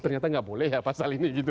ternyata tidak boleh ya pasal ini